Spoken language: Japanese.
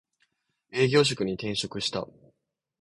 営業職に転職した